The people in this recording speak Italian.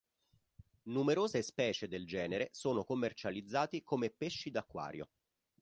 Numerose specie del genere sono commercializzati come pesci d'acquario.